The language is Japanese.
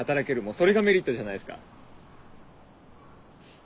それがメリットじゃないっすか。